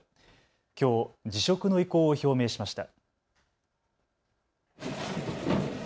きょう辞職の意向を表明しました。